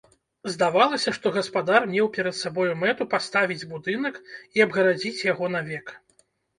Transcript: Здавалася, што гаспадар меў перад сабою мэту паставіць будынак і абгарадзіць яго навек.